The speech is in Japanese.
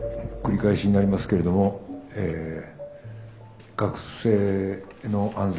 繰り返しになりますけれども学生の安全